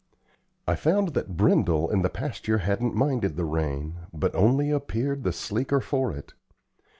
I found that Brindle in the pasture hadn't minded the rain, but only appeared the sleeker for it.